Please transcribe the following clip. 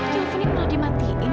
teleponnya malah dimatikan